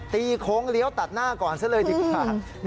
โค้งเลี้ยวตัดหน้าก่อนซะเลยดีกว่า